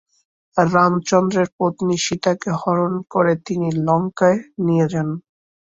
রামচন্দ্রের পত্নী সীতাকে হরণ করে তিনি লঙ্কায় নিয়ে যান।